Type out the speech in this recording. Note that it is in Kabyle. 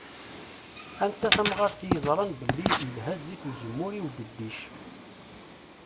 Anta tamɣaṛt i yeẓṛan belli ilha zzit uzemmur i udeddic.